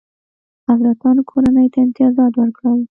حضرتانو کورنۍ ته امتیازات ورکړل.